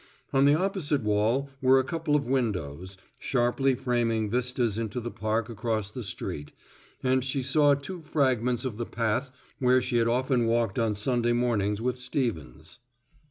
On the opposite wall were a couple of windows, sharply framing vistas into the park across the street, and she saw two fragments of the path where she had often walked on Sunday mornings with Stevens.